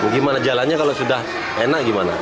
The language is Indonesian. gimana jalannya kalau sudah enak gimana